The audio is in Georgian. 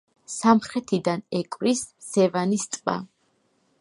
სამხრეთიდან ეკვრის სევანის ტბას.